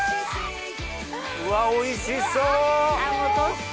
うわおいしそう！